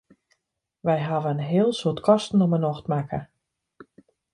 Wy hawwe in heel soad kosten om 'e nocht makke.